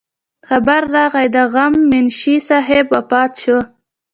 خبر راغے د غم منشي صاحب وفات شو